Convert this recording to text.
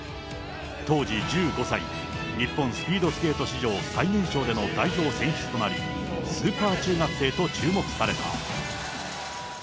当時１５歳、日本スピードスケート史上、最年少での代表選出となり、スーパー中学生と注目された。